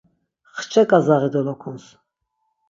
Xçe k̆azaği dolokuns.